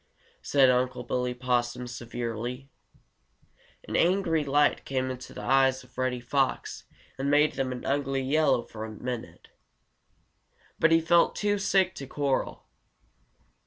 said Unc' Billy Possum severely. An angry light came into the eyes of Reddy Fox and made them an ugly yellow for just a minute. But he felt too sick to quarrel.